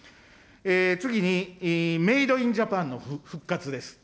次に、メイドインジャパンの復活です。